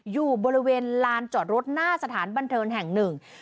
อยู่บริเวณลานจอดรถหน้าสถานบันเทิงแห่งหนึ่ง